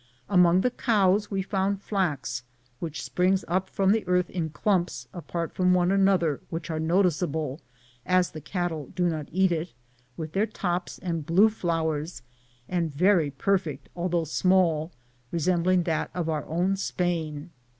Among the cows we found flax, which springs up from the earth in clumps apart from one another, which are noticeable, as the cattle do not eat it, with their tops and blue flowers, and very perfect although small, resembling that of our own Spain (or and sumach like ours in Spain).